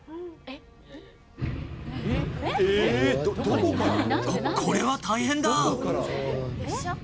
こ、これは大変だ。